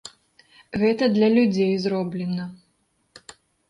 Гэта для людзей зроблена.